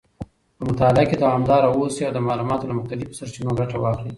په مطالعه کې دوامداره اوسئ او د معلوماتو له مختلفو سرچینو ګټه واخلئ.